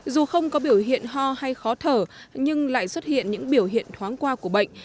dù không có biểu hiện ho hay khó thở nhưng lại xuất hiện những biểu hiện thoáng qua của bệnh